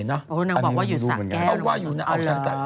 อ๋อนางบอกว่าอยู่สักแก้ว